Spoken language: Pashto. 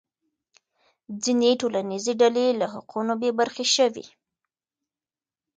ځینې ټولنیزې ډلې له حقونو بې برخې شوې.